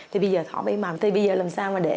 thì bây giờ làm sao để